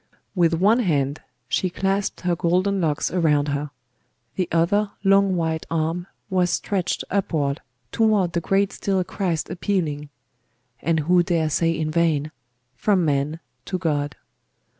With one hand she clasped her golden locks around her; the other long white arm was stretched upward toward the great still Christ appealing and who dare say in vain? from man to God.